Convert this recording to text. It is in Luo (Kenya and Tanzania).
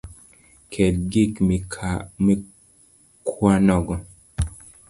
Kel gik mikwanogo.